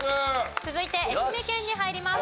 続いて愛媛県に入ります。